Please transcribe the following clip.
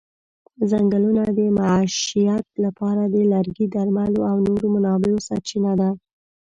ځنګلونه د معیشت لپاره د لرګي، درملو او نورو منابعو سرچینه ده.